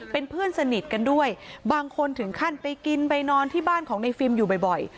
เป็นเพื่อนสนิทกันด้วยบางคนถึงขั้นไปกินไปนอนที่บ้านของในฟิล์มอยู่บ่อย